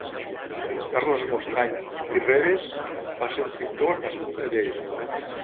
Carles Mostany i Rebés va ser un pintor nascut a Lleida.